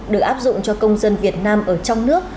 được áp dụng cho công dân việt nam ở trong nước